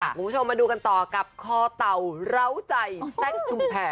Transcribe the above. คุณผู้ชมมาดูกันต่อกับคอเต่าเหล้าใจแซ่งชุมแพร